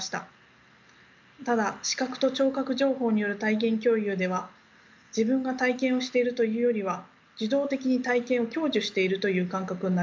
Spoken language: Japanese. ただ視覚と聴覚情報による体験共有では自分が体験をしているというよりは受動的に体験を享受しているという感覚になります。